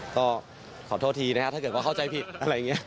ก็ขอโทษทีนะครับถ้าเกิดว่าเข้าใจผิดอะไรอย่างนี้